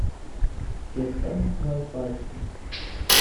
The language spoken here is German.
Gestern erst war ich beichten.